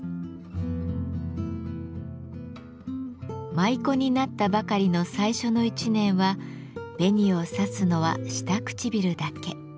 舞妓になったばかりの最初の１年は紅をさすのは下唇だけ。